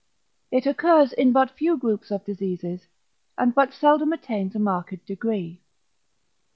It occurs in but few groups of diseases, and but seldom attains a marked degree.